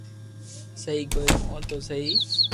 سھي ڪوئي مون تو سھي